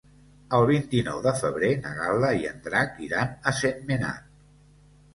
El vint-i-nou de febrer na Gal·la i en Drac iran a Sentmenat.